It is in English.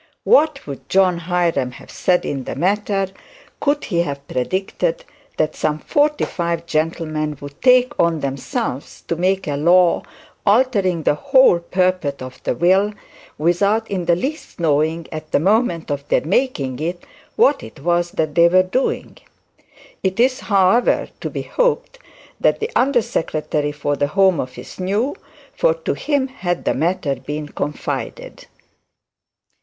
What would John Hiram have said in the matter, could he have predicted that some forty five gentlemen would take on themselves to make a law altering the whole purport of the will, without in the least knowing at the moment of their making it, what it was that they were doing? It is however to be hoped that the under secretary for the Home Office knew, for to him had the matter been confided.